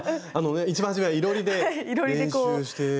一番初めはいろりで練習して文様を。